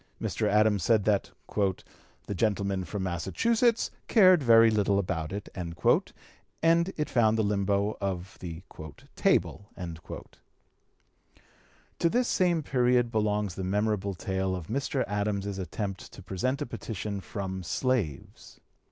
Mr. Adams said that "the gentleman from Massachusetts cared very little about it," and it found the limbo of the "table." To this same period belongs the memorable tale of Mr. Adams's (p. 269) attempt to present a petition from slaves.